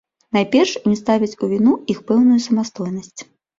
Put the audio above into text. Найперш ім ставяць у віну іх пэўную самастойнасць.